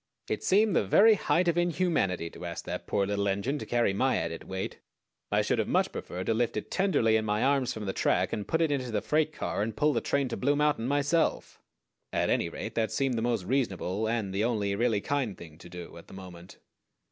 It seemed the very height of inhumanity to ask that poor little engine to carry my added weight. I should have much preferred to lift it tenderly in my arms from the track, and put it into the freight car, and pull the train to Blue Mountain myself; at any rate, that seemed the most reasonable and the only really kind thing to do at the moment.